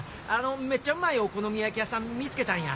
めっちゃうまいお好み焼き屋さん見つけたんや。